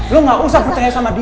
lo gak usah bertanya sama dia